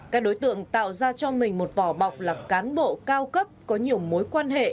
các đối tượng tạo ra cho mình một vỏ bọc là cán bộ cao cấp có nhiều mối quan hệ